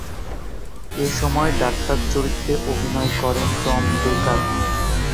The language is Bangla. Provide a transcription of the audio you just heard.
এ সময় ডাক্তার চরিত্রে অভিনয় করেন টম বেকার।